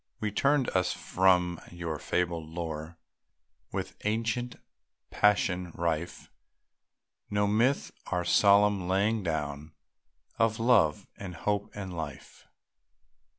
We turned us from your fabled lore, With ancient passion rife; No myth, our solemn laying down Of love, and hope, and life.